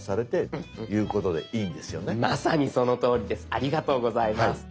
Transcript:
ありがとうございます。